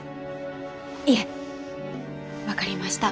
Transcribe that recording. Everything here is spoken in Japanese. いえ分かりました。